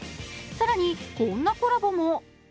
更にこんなコラボも。